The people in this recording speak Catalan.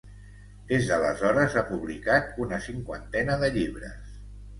Des d’aleshores ha publicat una cinquantena de llibres.